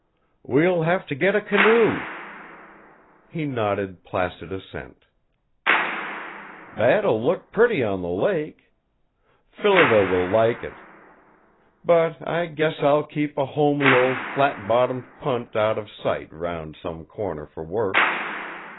"We will have to get a canoe." He nodded placid assent. "That'll look pretty on the lake. Phillida will like it. But I guess I'll keep a homely old flat bottomed punt out of sight around some corner for work.